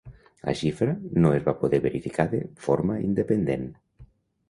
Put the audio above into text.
La xifra no es va poder verificar de forma independent.